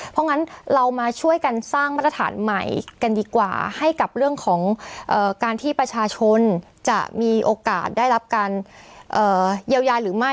เพราะงั้นเรามาช่วยกันสร้างมาตรฐานใหม่กันดีกว่าให้กับเรื่องของการที่ประชาชนจะมีโอกาสได้รับการเยียวยาหรือไม่